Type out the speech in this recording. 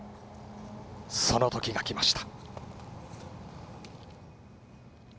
その時が来ました。